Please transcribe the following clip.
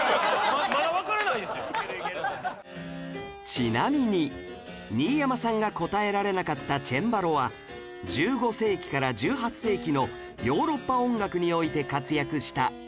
ちなみに新山さんが答えられなかったチェンバロは１５世紀から１８世紀のヨーロッパ音楽において活躍した鍵盤楽器